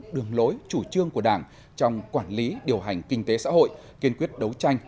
đường lối chủ trương của đảng trong quản lý điều hành kinh tế xã hội kiên quyết đấu tranh